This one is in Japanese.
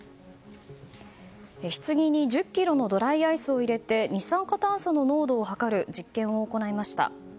棺に１０ｋｇのドライアイスを入れて二酸化炭素の濃度を測る実験を行いました。